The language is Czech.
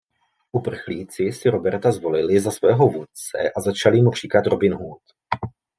Uprchlíci si Roberta zvolili za svého vůdce a začali mu říkat Robin Hood.